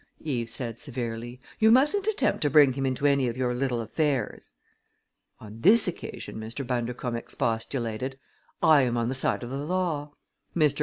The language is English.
Eve said severely. "You mustn't attempt to bring him into any of your little affairs." "On this occasion," Mr. Bundercombe expostulated, "I am on the side of the law. Mr.